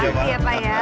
iya pak ya